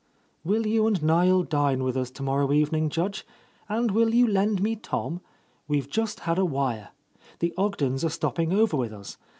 —.I? A Lost Lady "Will you and Niel dine with us tomorrow evening, Judge? And will you lend me Tom? We've just had a wire. The Ogdens are stop ping over with us.